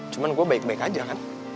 cuman gua baik baik aja kan